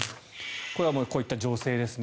これはこういった情勢ですね。